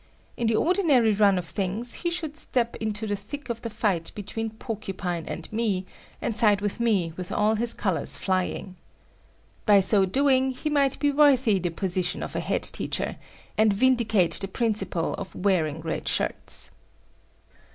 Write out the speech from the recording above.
In the ordinary run of things, he should step into the thick of the fight between Porcupine and me, and side with me with all his colors flying. By so doing, he might be worthy the position of the head teacher, and vindicate the principle of wearing red shirts.